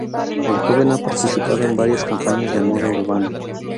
El joven ha participado en varias campañas de moda urbana.